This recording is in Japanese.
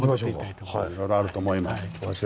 いろいろあると思います。